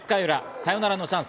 サヨナラのチャンス。